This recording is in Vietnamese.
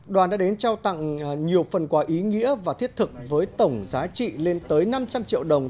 đoàn đã đến trao tặng nhiều phần quà ý nghĩa và thiết thực với tổng giá trị lên tới năm trăm linh triệu đồng